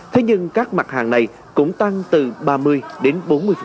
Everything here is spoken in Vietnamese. thế nhưng các mặt hàng này cũng tăng từ ba mươi đến bốn mươi